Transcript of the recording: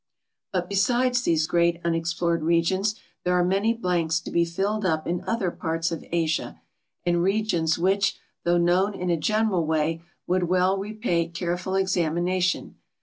But besides these great unexplored regions there are many blanks to be filled up in other parts of Asia, and regions which, though known in a general way, would well repa}' careful exam ination.